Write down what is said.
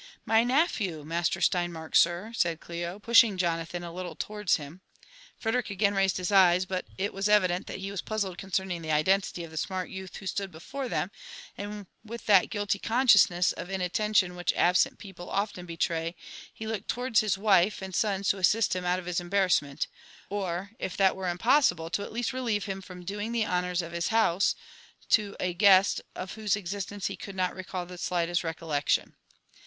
''My nephew, Master Steinmark, sir!" said Clio, pushing Jona than a little towards him. Frederick again raised his eyes, but it was evident that he was puzzled concerning the identity of the smart youth who stood before him, and with that guilty consciousness of inatten tion which absent people often betray, he looked towards his wife and sons to assist him out of his embarrassment, or, if that were impos sible, at least to relieve him from doing the honours of his house to a guest of whose existence he could not recal the slightest recollection.